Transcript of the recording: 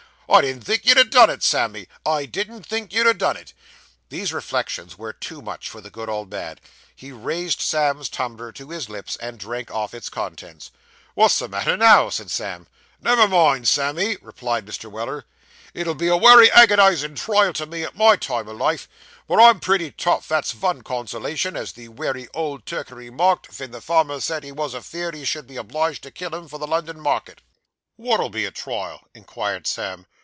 I didn't think you'd ha' done it, Sammy, I didn't think you'd ha' done it!' These reflections were too much for the good old man. He raised Sam's tumbler to his lips and drank off its contents. 'Wot's the matter now?' said Sam. 'Nev'r mind, Sammy,' replied Mr. Weller, 'it'll be a wery agonisin' trial to me at my time of life, but I'm pretty tough, that's vun consolation, as the wery old turkey remarked wen the farmer said he wos afeerd he should be obliged to kill him for the London market.' 'Wot'll be a trial?' inquired Sam.